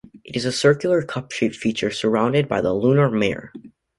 It is a circular, cup-shaped feature surrounded by the lunar mare.